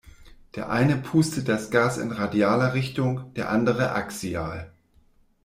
Der eine pustet das Gas in radialer Richtung, der andere axial.